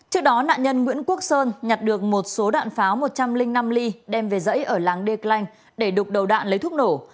trước đó nạn nhân nguyễn quốc sơn nhặt được một số đạn pháo một trăm linh năm ly đem về dãy ở làng declank để đục đầu đạn lấy thuốc nổ